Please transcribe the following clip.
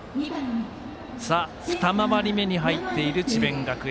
２回り目に入っている智弁学園。